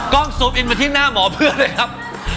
กล้องสูบอินมาทิ้งหน้าหมอเพื่อนเลยครับ